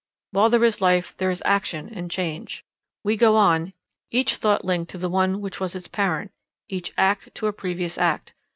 While there is life there is action and change. We go on, each thought linked to the one which was its parent, each act to a previous act.